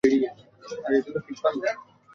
আমি সে বিষয়ে কতকটা কৃতকার্য হয়েছি।